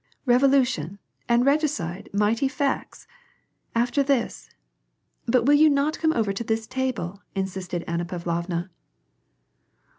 "Revolution and regicide mighty facts! — After this — but will you not come over to this table ?" insisted Anna Pav lovna.